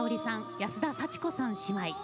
安田祥子さん姉妹。